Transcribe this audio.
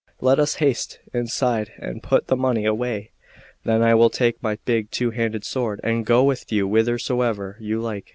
Let us haste inside and put the money away; then I will take my big two handed sword, and go with you whithersoever you like."